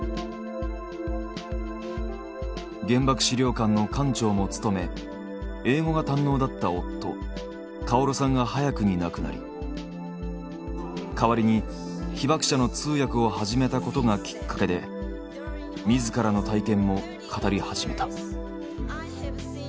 原爆資料館の館長も務め英語が堪能だった夫馨さんが早くに亡くなり代わりに被爆者の通訳を始めたことがきっかけで自らの体験も語り始めた。